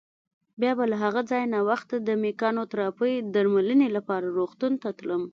بیا به له هغه ځایه ناوخته د مېکانوتراپۍ درملنې لپاره روغتون ته تلم.